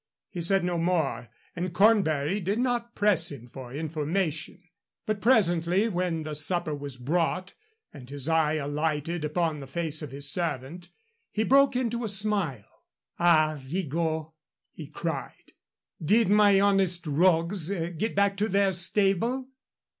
He said no more, and Cornbury did not press him for information. But presently, when the supper was brought, and his eye alighted upon the face of his servant, he broke into a smile. "Ah, Vigot!" he cried. "Did my honest rogues get back to their stable?"